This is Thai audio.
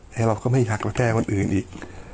เนี่ยเราก็ไม่อยากมาแก้วันอื่นอีก